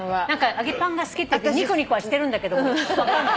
揚げパンが好きってにこにこはしてるんだけど分かんない。